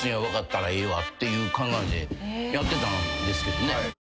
ていう考えでやってたんですけどね。